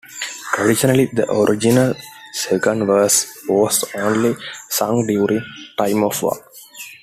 Traditionally the original second verse was only sung during time of war.